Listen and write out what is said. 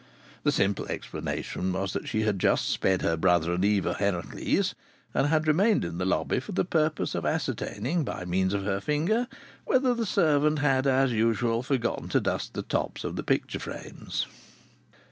The simple explanation was that she had just sped her brother and Eva Harracles, and had remained in the lobby for the purpose of ascertaining by means of her finger whether the servant had, as usual, forgotten to dust the tops of the picture frames.